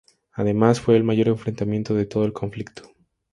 Además, fue el mayor enfrentamiento de todo el conflicto.